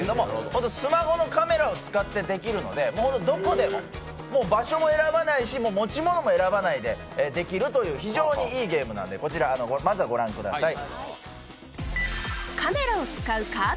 スマホのカメラを使ってできるので、どこでも、場所も選ばないし、持ち物も選ばないでできるという非常にいいゲームなんで、こちらまずはご覧ください。